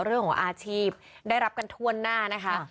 เรื่องของอาชีพได้รับกันทั่วหน้านะคะ